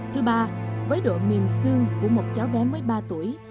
thứ ba với độ mềm xương của một cháu bé mới ba tuổi